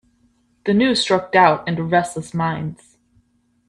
The news struck doubt into restless minds.